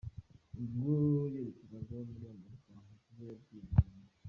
Ubwo yerekezaga muri Amerika Humble Jizzo yabwiye Inyarwanda.